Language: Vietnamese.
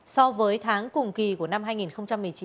so với tháng cùng kỳ của năm hai nghìn một mươi chín